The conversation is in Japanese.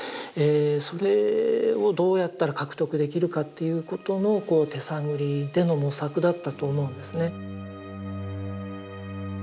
それをどうやったら獲得できるかっていうことの手探りでの模索だったと思うんですね。